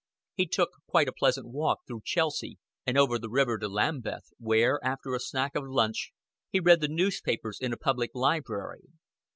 He took quite a pleasant walk through Chelsea, and over the river to Lambeth, where, after a snack of lunch, he read the newspapers in a Public Library.